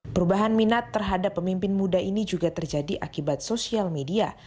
perubahan minat terhadap pemimpin muda ini juga terjadi akibat sosial media